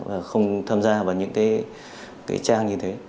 và không tham gia vào những cái trang như thế